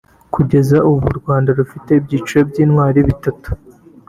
Kugeza ubu u Rwanda rufite ibyiciro by’intwari bitatu